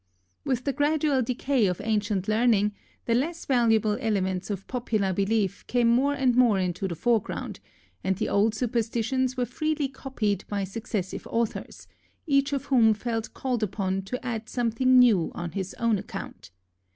With the gradual decay of ancient learning, the less valuable elements of popular belief came more and more into the foreground, and the old superstitions were freely copied by successive authors, each of whom felt called upon to add something new on his own account.